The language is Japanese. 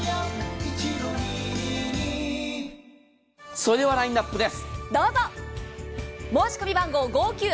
それではラインナップです。